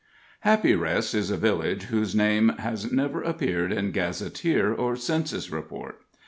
Happy Rest is a village whose name has never appeared in gazetteer or census report.